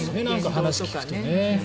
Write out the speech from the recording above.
話を聞くとね。